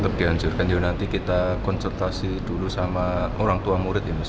tetap dihancurkan nanti kita konsultasi dulu sama orang tua murid